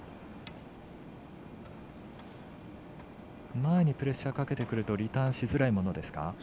前にプレッシャーかけてくるとリターンしづらいものですか？